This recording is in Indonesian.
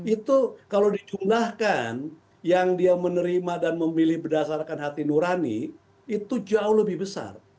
itu kalau dicunakan yang dia menerima dan memilih berdasarkan hati nurani itu jauh lebih besar